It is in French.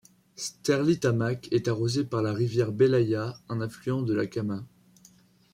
Sterlitamak est arrosée par la rivière Belaïa, un affluent de la Kama.